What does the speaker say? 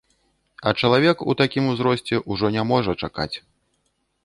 А чалавек у такім узросце ўжо не можа чакаць.